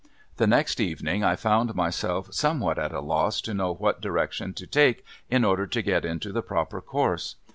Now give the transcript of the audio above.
The next evening I found myself somewhat at a loss to know what direction to take in order to get into the proper course.